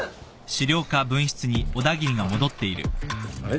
あれ？